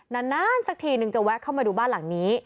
นานสักทีนึงจะแวะเข้ามาดูบ้านหลังนี้